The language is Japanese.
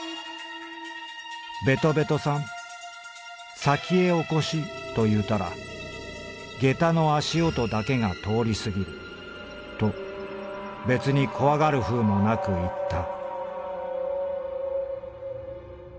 「『べとべとさん先へお越しというたらゲタの足音だけが通りすぎる』とべつにこわがるふうもなくいった」。